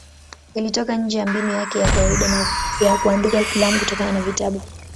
Ilitoka nje ya mbinu yake ya kawaida ya kuandika filamu kutokana na vitabu.